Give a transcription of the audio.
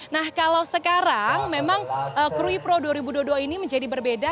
nah kalau sekarang memang krui pro dua ribu dua puluh dua ini menjadi berbeda